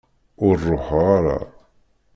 Ur ruḥeɣ ara.